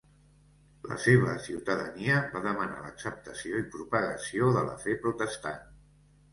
La seva ciutadania va demanar l'acceptació i propagació de la fe protestant.